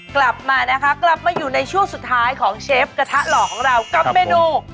กลับมานะคะกลับมาอยู่ในช่วงสุดท้ายของเชฟกระทะหล่อของเรากับเมนู